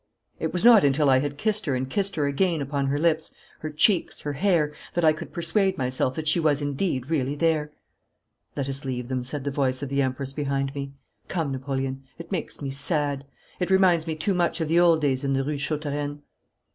It was not until I had kissed her and kissed her again upon her lips, her cheeks, her hair, that I could persuade myself that she was indeed really there. 'Let us leave them,' said the voice of the Empress behind me. 'Come, Napoleon. It makes me sad! It reminds me too much of the old days in the Rue Chautereine.'